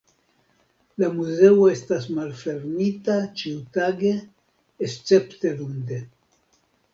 La muzeo estas malfermita ĉiutage escepte lunde.